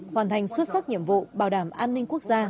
hoàn thành xuất sắc nhiệm vụ bảo đảm an ninh quốc gia